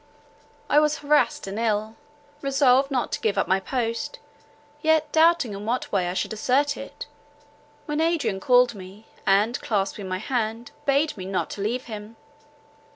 I was harassed and ill, resolved not to give up my post, yet doubting in what way I should assert it; when Adrian called me, and clasping my hand, bade me not leave him.